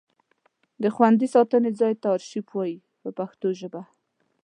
د خوندي ساتنې ځای ته ارشیف وایي په پښتو ژبه.